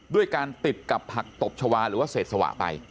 ด้วยการติดกับผักตบชาวาหรือว่าเศษสวะไป